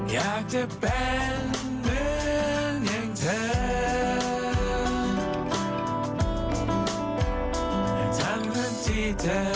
อยากจะเป็นหนึ่งอย่างเธอ